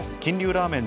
ラーメン